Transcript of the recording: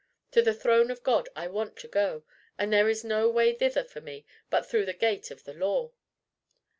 To the throne of God I want to go, and there is no way thither for me but through the gate of the law."